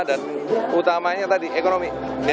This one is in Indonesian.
dan utamanya tadi ekonomi